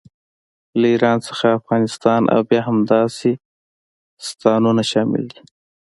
له ایران څخه افغانستان او بیا همداسې ستانونه شامل دي.